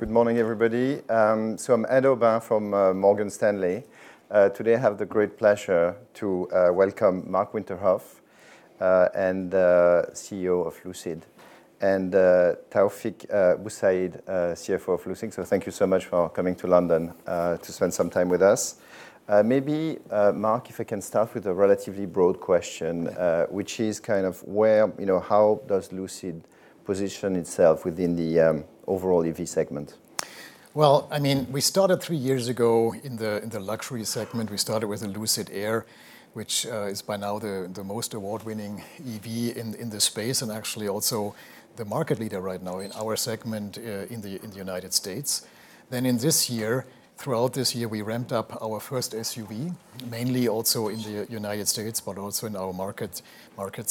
Good morning, everybody. So Ed Aubin from Morgan Stanley. Today I have the great pleasure to welcome Marc Winterhoff, CEO of Lucid, and Taoufiq Boussaid, CFO of Lucid. So thank you so much for coming to London to spend some time with us. Maybe, Marc, if I can start with a relatively broad question, which is kind of how does Lucid position itself within the overall EV segment? I mean, we started three years ago in the luxury segment. We started with the Lucid Air, which is by now the most award-winning EV in the space and actually also the market leader right now in our segment in the United States. In this year, throughout this year, we ramped up our first SUV, mainly also in the United States, but also in our markets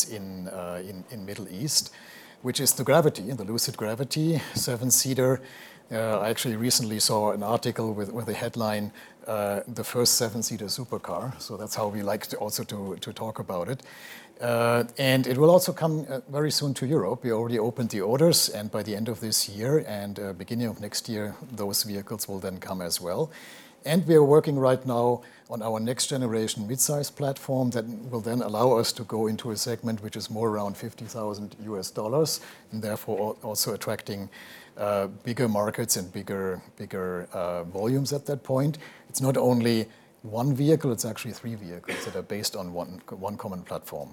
in the Middle East, which is the Gravity, the Lucid Gravity seven-seater. I actually recently saw an article with a headline, "The first seven-seater supercar." That's how we like also to talk about it. It will also come very soon to Europe. We already opened the orders, and by the end of this year and beginning of next year, those vehicles will then come as well. And we are working right now on our next-generation midsize platform that will then allow us to go into a segment which is more around $50,000, and therefore also attracting bigger markets and bigger volumes at that point. It's not only one vehicle, it's actually three vehicles that are based on one common platform.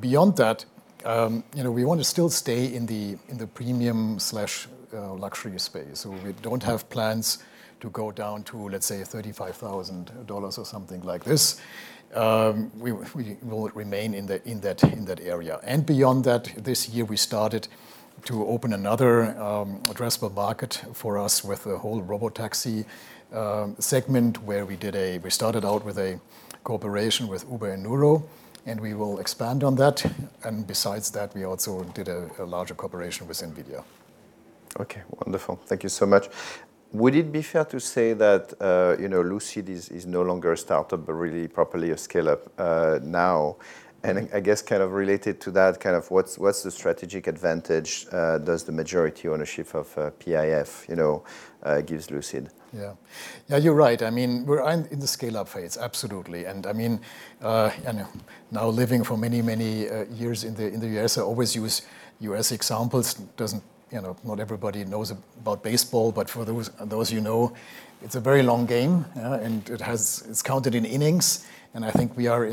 Beyond that, we want to still stay in the premium/luxury space. So we don't have plans to go down to, let's say, $35,000 or something like this. We will remain in that area. And beyond that, this year we started to open another addressable market for us with the whole robotaxi segment, where we started out with a cooperation with Uber, and we will expand on that. And besides that, we also did a larger cooperation with NVIDIA. OK, wonderful. Thank you so much. Would it be fair to say that Lucid is no longer a startup, but really properly a scale-up now? And I guess kind of related to that, kind of what's the strategic advantage does the majority ownership of PIF give Lucid? Yeah, you're right. I mean, we're in the scale-up phase, absolutely, and I mean, now living for many, many years in the U.S., I always use U.S. examples. Not everybody knows about baseball, but for those, you know, it's a very long game, and it's counted in innings, and I think we are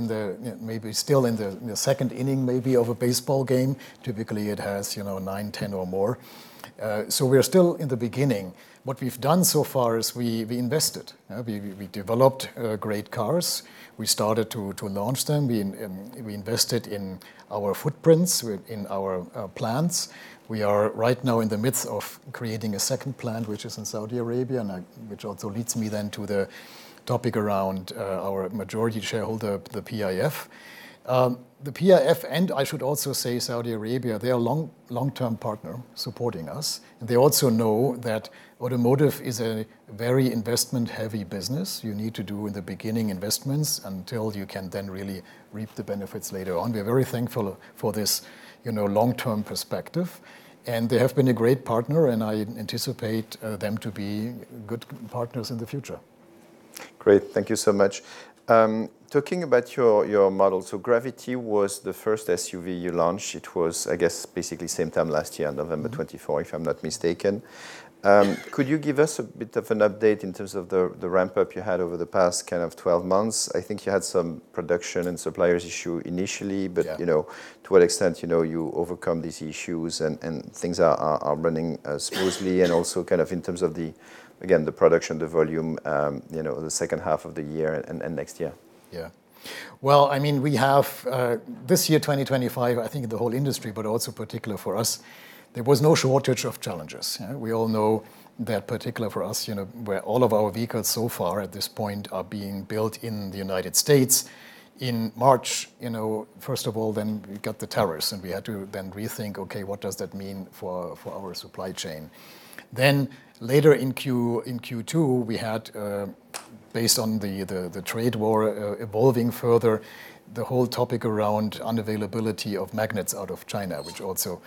maybe still in the second inning maybe of a baseball game. Typically, it has nine, 10, or more, so we're still in the beginning. What we've done so far is we invested. We developed great cars. We started to launch them. We invested in our footprints, in our plants. We are right now in the midst of creating a second plant, which is in Saudi Arabia, which also leads me then to the topic around our majority shareholder, the PIF. The PIF, and I should also say Saudi Arabia, they are a long-term partner supporting us. They also know that automotive is a very investment-heavy business. You need to do, in the beginning, investments until you can then really reap the benefits later on. We're very thankful for this long-term perspective. And they have been a great partner, and I anticipate them to be good partners in the future. Great. Thank you so much. Talking about your model, so Gravity was the first SUV you launched. It was, I guess, basically same time last year, November 24, if I'm not mistaken. Could you give us a bit of an update in terms of the ramp-up you had over the past kind of 12 months? I think you had some production and suppliers' issues initially, but to what extent you overcome these issues and things are running smoothly? And also kind of in terms of, again, the production, the volume, the second half of the year and next year? Yeah, well, I mean, we have this year, 2025, I think the whole industry, but also particular for us, there was no shortage of challenges. We all know that particular for us, where all of our vehicles so far at this point are being built in the United States. In March, first of all, then we got the tariffs, and we had to then rethink, OK, what does that mean for our supply chain? Then later in Q2, we had, based on the trade war evolving further, the whole topic around unavailability of magnets out of China, which also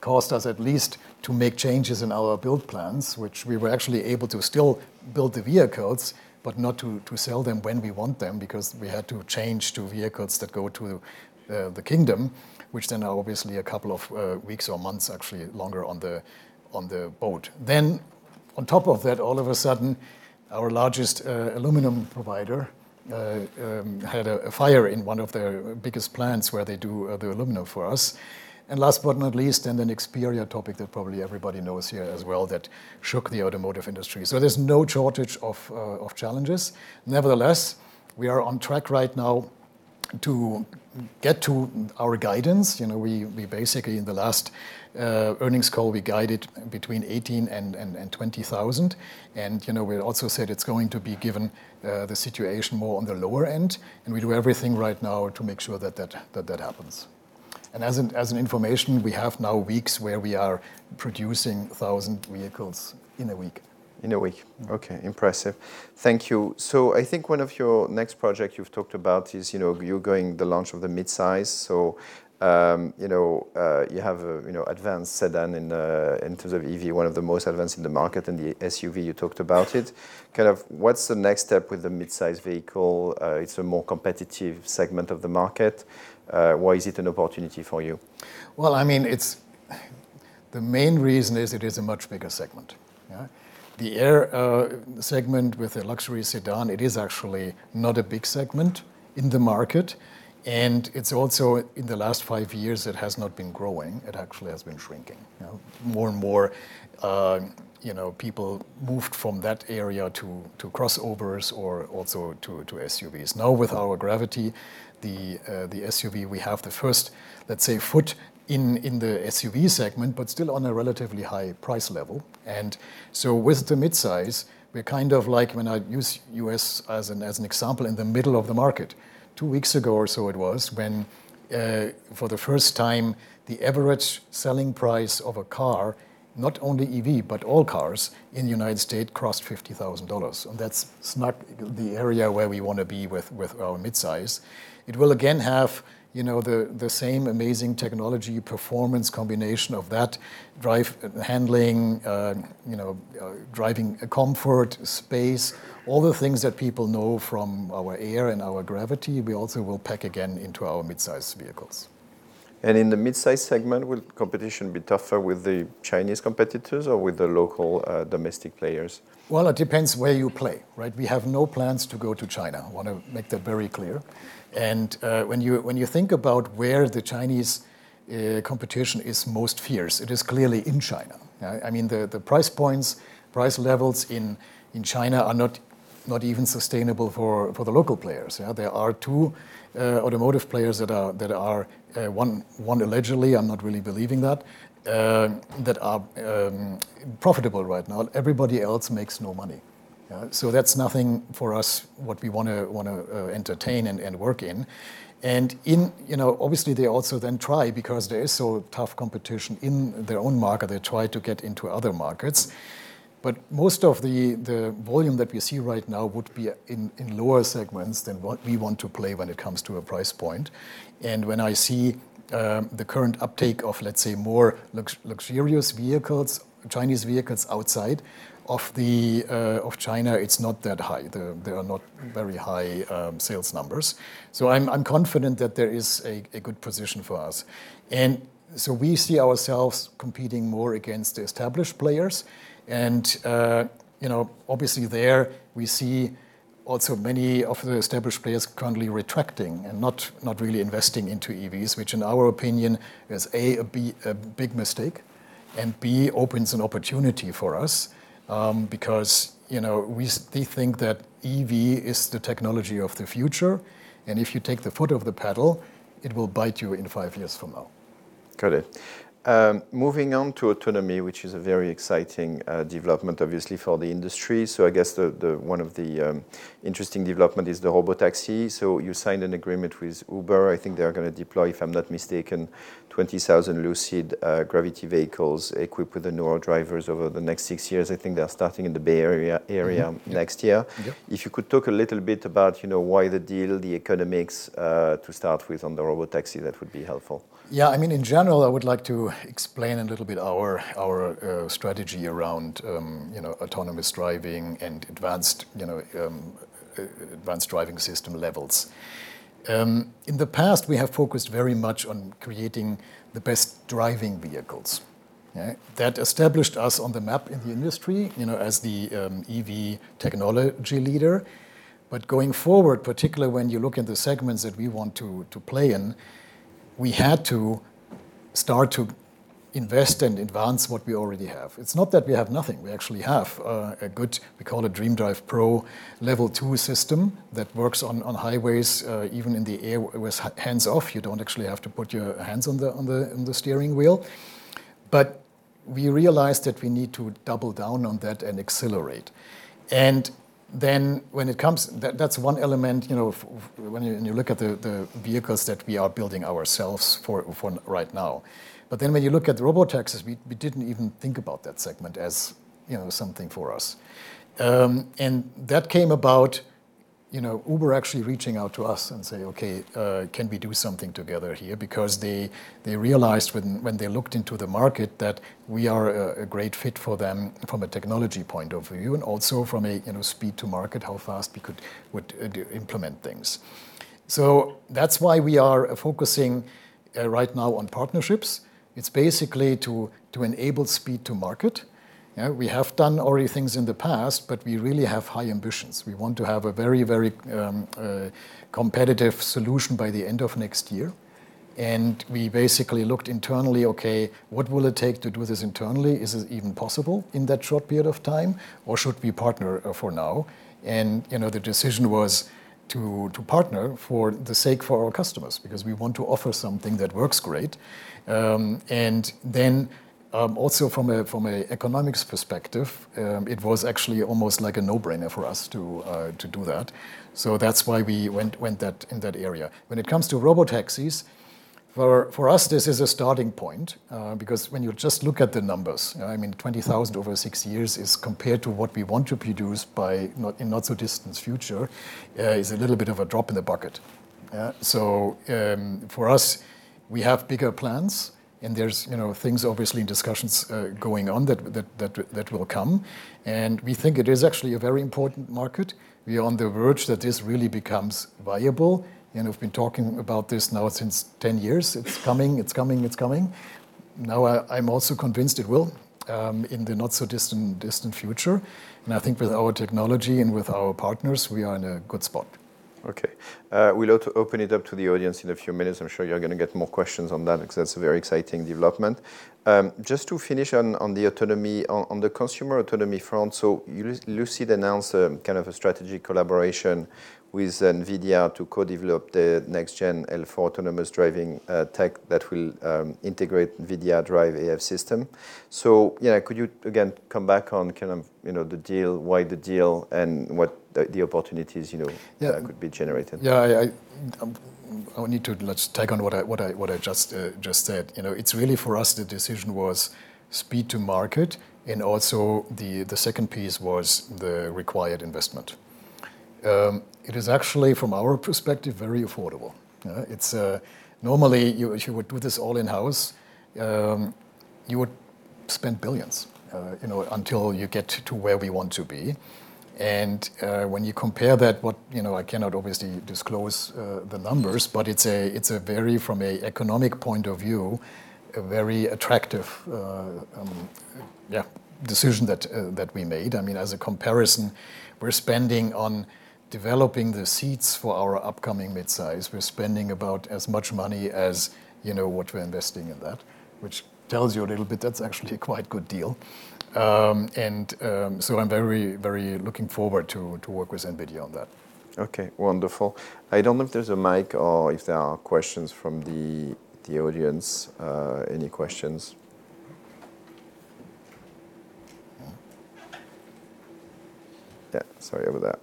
caused us at least to make changes in our build plans, which we were actually able to still build the vehicles, but not to sell them when we want them, because we had to change to vehicles that go to the Kingdom, which then are obviously a couple of weeks or months, actually longer, on the boat, then on top of that, all of a sudden, our largest aluminum provider had a fire in one of their biggest plants where they do the aluminum for us, and last but not least, and then the chip topic that probably everybody knows here as well, that shook the automotive industry, so there's no shortage of challenges. Nevertheless, we are on track right now to get to our guidance. We basically, in the last earnings call, we guided between 18,000 and 20,000, and we also said it's going to be given the situation more on the lower end. We do everything right now to make sure that that happens, and as an information, we have now weeks where we are producing 1,000 vehicles in a week. In a week. OK, impressive. Thank you. So I think one of your next projects you've talked about is you're going to launch the midsize. So you have an advanced sedan in terms of EV, one of the most advanced in the market, and the SUV, you talked about it. Kind of, what's the next step with the midsize vehicle? It's a more competitive segment of the market. Why is it an opportunity for you? Well, I mean, the main reason is it is a much bigger segment. The Air segment with a luxury sedan, it is actually not a big segment in the market. And it's also, in the last five years, it has not been growing. It actually has been shrinking. More and more people moved from that area to crossovers or also to SUVs. Now with our Gravity, the SUV, we have the first, let's say, foot in the SUV segment, but still on a relatively high price level. And so with the midsize, we're kind of like, when I use U.S. as an example, in the middle of the market. Two weeks ago or so it was when for the first time the average selling price of a car, not only EV, but all cars in the United States crossed $50,000. And that's not the area where we want to be with our midsize. It will again have the same amazing technology performance combination of that, driving comfort, space, all the things that people know from our Air and our Gravity. We also will pack again into our midsize vehicles. In the midsize segment, will competition be tougher with the Chinese competitors or with the local domestic players? It depends where you play. We have no plans to go to China. I want to make that very clear. When you think about where the Chinese competition is most fierce, it is clearly in China. I mean, the price points, price levels in China are not even sustainable for the local players. There are two automotive players that are one allegedly, I'm not really believing that, that are profitable right now. Everybody else makes no money. That's nothing for us, what we want to entertain and work in. Obviously, they also then try, because there is so tough competition in their own market, they try to get into other markets. But most of the volume that we see right now would be in lower segments than what we want to play when it comes to a price point. And when I see the current uptake of, let's say, more luxurious vehicles, Chinese vehicles outside of China, it's not that high. There are not very high sales numbers. So I'm confident that there is a good position for us. And so we see ourselves competing more against the established players. And obviously, there we see also many of the established players currently retracting and not really investing into EVs, which in our opinion is, A, a big mistake, and B, opens an opportunity for us, because we think that EV is the technology of the future. And if you take the foot of the pedal, it will bite you in five years from now. Got it. Moving on to autonomy, which is a very exciting development, obviously, for the industry, so I guess one of the interesting developments is the robotaxi, so you signed an agreement with Uber. I think they're going to deploy, if I'm not mistaken, 20,000 Lucid Gravity vehicles equipped with the Nuro Driver over the next six years. I think they're starting in the Bay Area next year. If you could talk a little bit about why the deal, the economics to start with on the robotaxi, that would be helpful. Yeah, I mean, in general, I would like to explain a little bit our strategy around autonomous driving and advanced driving system levels. In the past, we have focused very much on creating the best driving vehicles. That established us on the map in the industry as the EV technology leader. But going forward, particularly when you look in the segments that we want to play in, we had to start to invest and advance what we already have. It's not that we have nothing. We actually have a good, we call it DreamDrive Pro, Level 2 system that works on highways, even in the Air with hands off. You don't actually have to put your hands on the steering wheel. But we realized that we need to double down on that and accelerate. And then when it comes, that's one element when you look at the vehicles that we are building ourselves for right now. But then when you look at robotaxis, we didn't even think about that segment as something for us. And that came about Uber actually reaching out to us and saying, "OK, can we do something together here?" Because they realized when they looked into the market that we are a great fit for them from a technology point of view, and also from a speed-to-market, how fast we could implement things. So that's why we are focusing right now on partnerships. It's basically to enable speed-to-market. We have done already things in the past, but we really have high ambitions. We want to have a very, very competitive solution by the end of next year. And we basically looked internally. OK, what will it take to do this internally? Is it even possible in that short period of time? Or should we partner for now? And the decision was to partner for the sake of our customers, because we want to offer something that works great. And then also from an economics perspective, it was actually almost like a no-brainer for us to do that. So that's why we went in that area. When it comes to robotaxis, for us, this is a starting point, because when you just look at the numbers, I mean, 20,000 over six years is compared to what we want to produce in not-so-distant future, a little bit of a drop in the bucket. So for us, we have bigger plans, and there's things obviously in discussions going on that will come. We think it is actually a very important market. We are on the verge that this really becomes viable. We've been talking about this now since 10 years. It's coming, it's coming, it's coming. Now I'm also convinced it will in the not-so-distant future. I think with our technology and with our partners, we are in a good spot. OK. We'll open it up to the audience in a few minutes. I'm sure you're going to get more questions on that, because that's a very exciting development. Just to finish on the autonomy, on the consumer autonomy front, so Lucid announced kind of a strategic collaboration with NVIDIA to co-develop the next-gen L4 autonomous driving tech that will integrate NVIDIA DRIVE AV system, so could you again come back on kind of the deal, why the deal, and what the opportunities could be generated? Yeah, I want to let's take on what I just said. It's really for us, the decision was speed-to-market, and also the second piece was the required investment. It is actually, from our perspective, very affordable. Normally, if you would do this all in-house, you would spend billions until you get to where we want to be. And when you compare that, I cannot obviously disclose the numbers, but it's a very, from an economic point of view, a very attractive decision that we made. I mean, as a comparison, we're spending on developing the seats for our upcoming midsize. We're spending about as much money as what we're investing in that, which tells you a little bit that's actually a quite good deal. And so I'm very, very looking forward to work with NVIDIA on that. OK, wonderful. I don't know if there's a mic or if there are questions from the audience. Any questions? Yeah, sorry about that.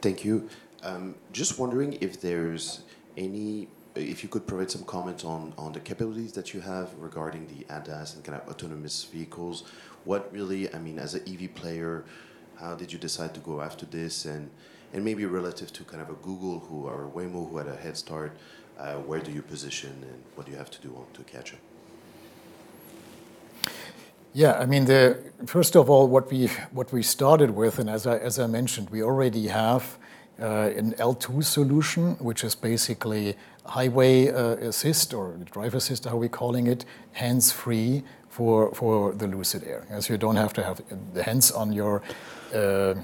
Thank you. Just wondering if you could provide some comments on the capabilities that you have regarding the ADAS and kind of autonomous vehicles. What really, I mean, as an EV player, how did you decide to go after this? And maybe relative to kind of a Google or Waymo who had a head start, where do you position, and what do you have to do to catch up? Yeah, I mean, first of all, what we started with, and as I mentioned, we already have an L2 solution, which is basically highway assist or drive assist, how we're calling it, hands-free for the Lucid Air. So you don't have to have the hands on the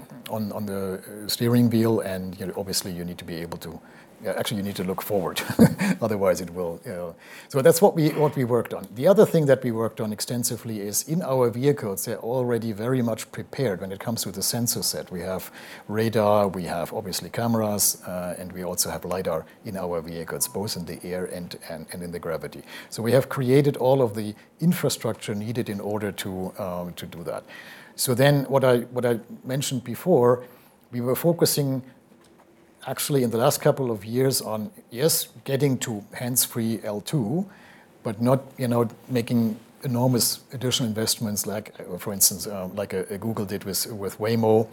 steering wheel, and obviously, you need to be able to, actually, you need to look forward. Otherwise, it will. So that's what we worked on. The other thing that we worked on extensively is in our vehicles, they're already very much prepared when it comes to the sensor set. We have radar, we have obviously cameras, and we also have LiDAR in our vehicles, both in the Air and in the Gravity. So we have created all of the infrastructure needed in order to do that. So then what I mentioned before, we were focusing actually in the last couple of years on, yes, getting to hands-free L2, but not making enormous additional investments, for instance, like Google did with Waymo.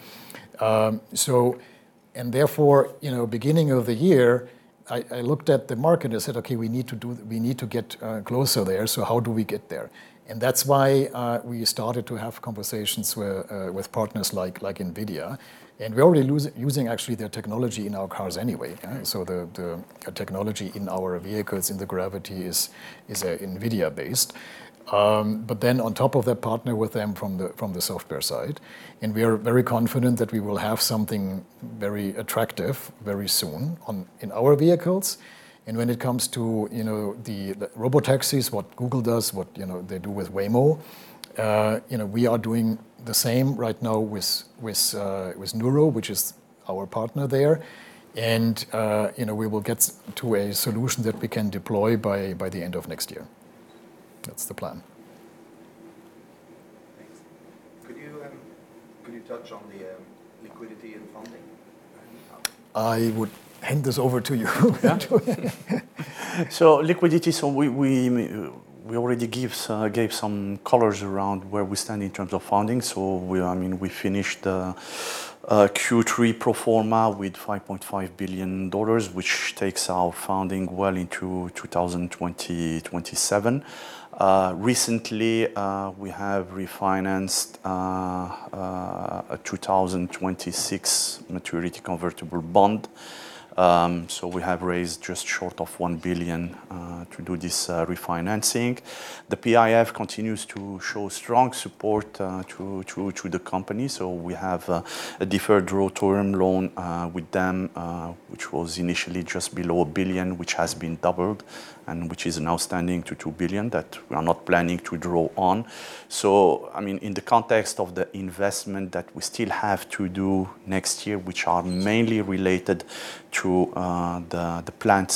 And therefore, beginning of the year, I looked at the market and said, OK, we need to get closer there. So how do we get there? And that's why we started to have conversations with partners like NVIDIA. And we're already using actually their technology in our cars anyway. So the technology in our vehicles, in the Gravity, is NVIDIA-based. But then on top of that, partner with them from the software side. And we are very confident that we will have something very attractive very soon in our vehicles. When it comes to the robotaxis, what Google does, what they do with Waymo, we are doing the same right now with Nuro, which is our partner there. We will get to a solution that we can deploy by the end of next year. That's the plan. Could you touch on the liquidity and funding? I would hand this over to you. So liquidity, so we already gave some colors around where we stand in terms of funding. So I mean, we finished Q3 pro forma with $5.5 billion, which takes our funding well into 2027. Recently, we have refinanced a 2026 maturity convertible bond. So we have raised just short of $1 billion to do this refinancing. The PIF continues to show strong support to the company. So we have a deferred draw term loan with them, which was initially just below $1 billion, which has been doubled, and which is now standing to $2 billion that we are not planning to draw on. So I mean, in the context of the investment that we still have to do next year, which are mainly related to the plant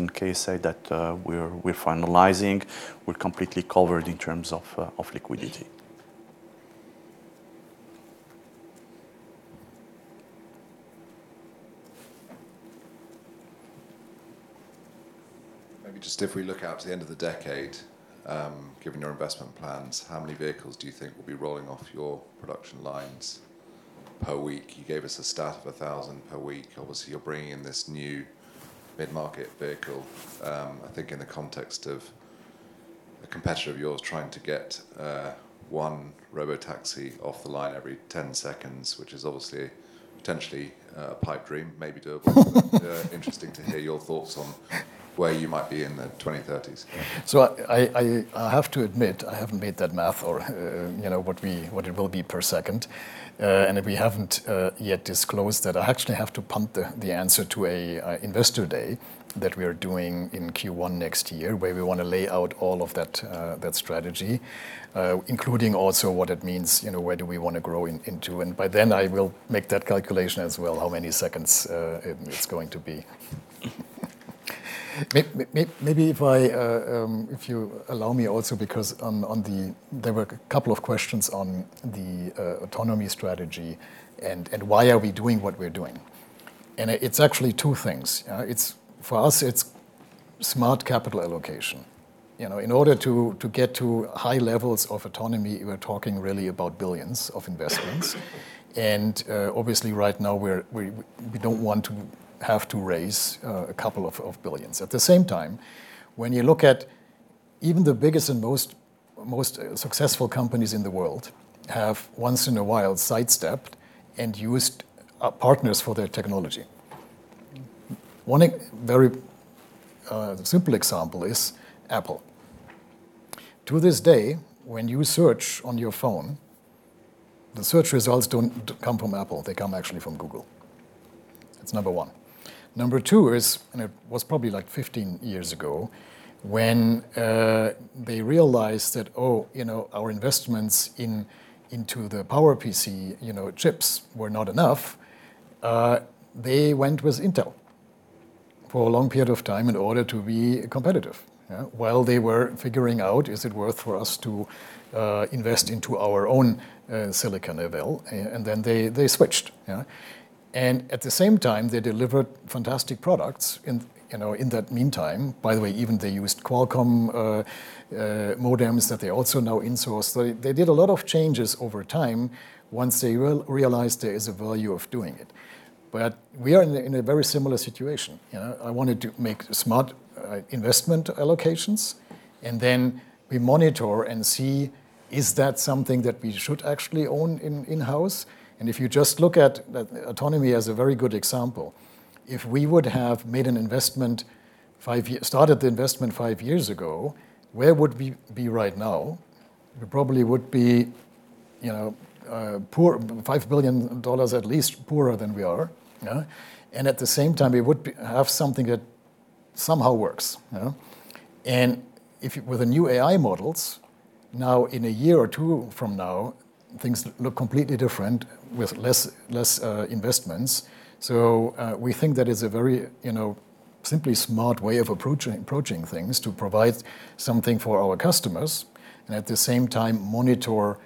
in KSA that we're finalizing, we're completely covered in terms of liquidity. Maybe just if we look out to the end of the decade, given your investment plans, how many vehicles do you think will be rolling off your production lines per week? You gave us a start of 1,000 per week. Obviously, you're bringing in this new mid-market vehicle. I think in the context of a competitor of yours trying to get one robotaxi off the line every 10 seconds, which is obviously potentially a pipe dream, maybe doable. Interesting to hear your thoughts on where you might be in the 2030s. So I have to admit, I haven't made that math or what it will be per second. And we haven't yet disclosed that. I actually have to punt the answer to an investor day that we are doing in Q1 next year, where we want to lay out all of that strategy, including also what it means, where do we want to grow into. And by then, I will make that calculation as well, how many seconds it's going to be. Maybe if you allow me also, because there were a couple of questions on the autonomy strategy and why are we doing what we're doing. And it's actually two things. For us, it's smart capital allocation. In order to get to high levels of autonomy, we're talking really about billions of investments. And obviously, right now, we don't want to have to raise a couple of billions. At the same time, when you look at even the biggest and most successful companies in the world have once in a while sidestepped and used partners for their technology. One very simple example is Apple. To this day, when you search on your phone, the search results don't come from Apple. They come actually from Google. That's number one. Number two is, and it was probably like 15 years ago, when they realized that, oh, our investments into the PowerPC chips were not enough, they went with Intel for a long period of time in order to be competitive. While they were figuring out, is it worth for us to invest into our own silicon as well, and then they switched, and at the same time, they delivered fantastic products. In that meantime, by the way, even they used Qualcomm modems that they also now insource. They did a lot of changes over time once they realized there is a value of doing it. But we are in a very similar situation. I wanted to make smart investment allocations, and then we monitor and see, is that something that we should actually own in-house? And if you just look at autonomy as a very good example, if we would have made an investment, started the investment five years ago, where would we be right now? We probably would be $5 billion at least poorer than we are. And at the same time, we would have something that somehow works. And with the new AI models, now in a year or two from now, things look completely different with less investments. So we think that it's a very simply smart way of approaching things to provide something for our customers, and at the same time, monitor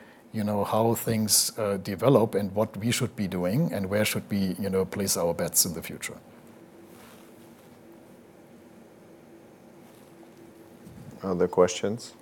how things develop and what we should be doing and where should we place our bets in the future. Other questions?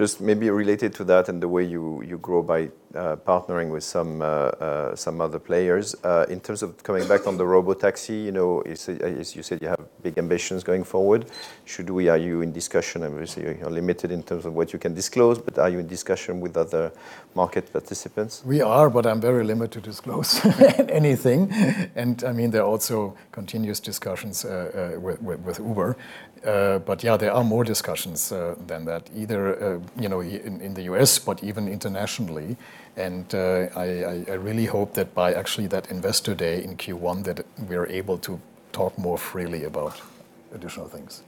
Just maybe related to that and the way you grow by partnering with some other players. In terms of coming back on the robotaxi, you said you have big ambitions going forward. Should we, are you in discussion? Obviously, you're limited in terms of what you can disclose, but are you in discussion with other market participants? We are, but I'm very limited to disclose anything. And I mean, there are also continuous discussions with Uber. But yeah, there are more discussions than that, either in the U.S., but even internationally. And I really hope that by, actually, that investor day in Q1, that we're able to talk more freely about additional things.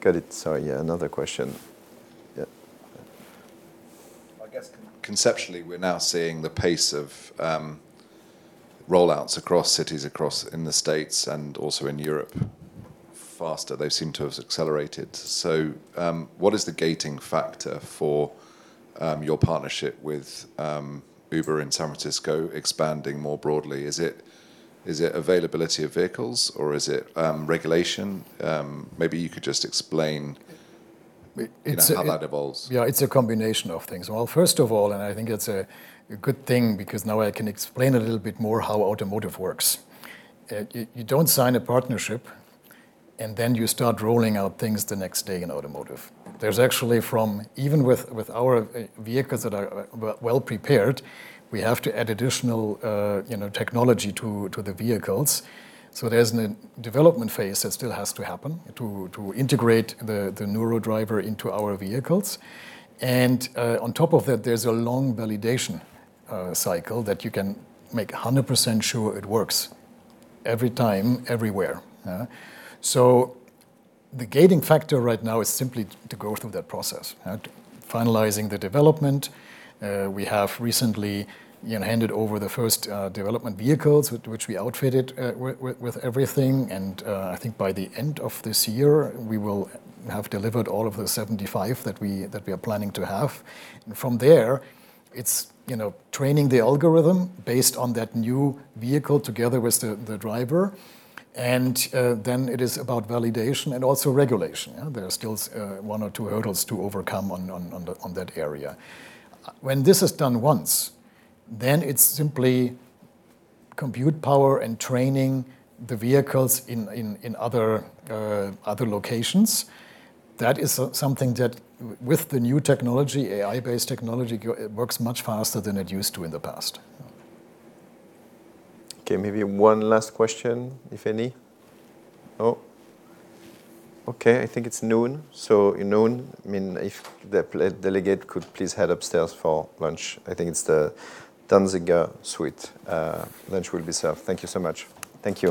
Got it. Sorry, yeah, another question. I guess conceptually, we're now seeing the pace of rollouts across cities, across the States, and also in Europe faster. They seem to have accelerated, so what is the gating factor for your partnership with Uber in San Francisco expanding more broadly? Is it availability of vehicles, or is it regulation? Maybe you could just explain how that evolves. Yeah, it's a combination of things. Well, first of all, and I think it's a good thing, because now I can explain a little bit more how automotive works. You don't sign a partnership, and then you start rolling out things the next day in automotive. There's actually even with our vehicles that are well prepared, we have to add additional technology to the vehicles. So there's a development phase that still has to happen to integrate the Nuro driver into our vehicles. And on top of that, there's a long validation cycle that you can make 100% sure it works every time, everywhere. So the gating factor right now is simply to go through that process, finalizing the development. We have recently handed over the first development vehicles, which we outfitted with everything. And I think by the end of this year, we will have delivered all of the 75 that we are planning to have. And from there, it's training the algorithm based on that new vehicle together with the driver. And then it is about validation and also regulation. There are still one or two hurdles to overcome on that area. When this is done once, then it's simply compute power and training the vehicles in other locations. That is something that, with the new technology, AI-based technology, works much faster than it used to in the past. OK, maybe one last question, if any. Oh, OK, I think it's noon. So noon, I mean, if the delegate could please head upstairs for lunch. I think it's the Danziger Suite. Lunch will be served. Thank you so much. Thank you.